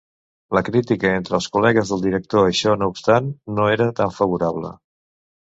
La crítica entre els col·legues del director, això no obstant, no era tan favorable.